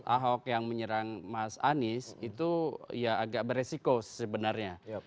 ahok yang menyerang mas anies itu ya agak beresiko sebenarnya